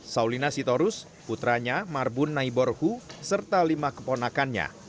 saulina sitorus putranya marbun naiborhu serta lima keponakannya